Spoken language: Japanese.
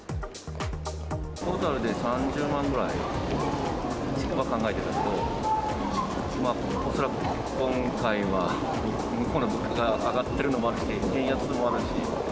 トータルで３０万ぐらいは考えてたけど、恐らく今回は、向こうの物価上がってるのもあるし、円安もあるし。